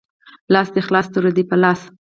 لاس دی خلاص توره دی په لاس